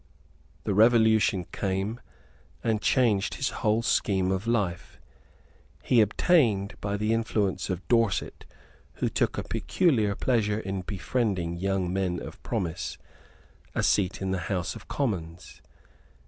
The Revolution came, and changed his whole scheme of life. He obtained, by the influence of Dorset, who took a peculiar pleasure in befriending young men of promise, a seat in the House of Commons.